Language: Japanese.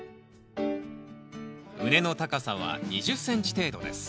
畝の高さは２０ｃｍ程度です。